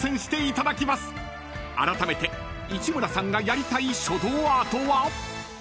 ［あらためて市村さんがやりたい書道アートは？］